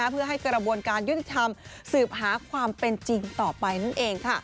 เพื่อให้กระบวนการยุติธรรมสืบหาความเป็นจริงต่อไปนั่นเอง